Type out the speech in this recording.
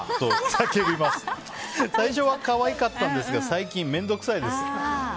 最初は可愛かったんですが最近、面倒くさいです。